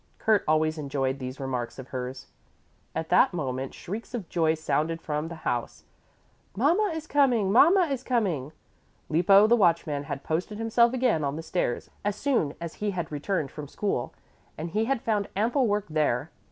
Kurt always enjoyed these remarks of hers. At that moment shrieks of joy sounded from the house: "Mama is coming! Mama is coming!" Lippo, the watchman, had posted himself again on the stairs as soon as he had returned from school, and he had found ample work there.